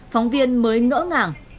phóng viên mới ngỡ ngàng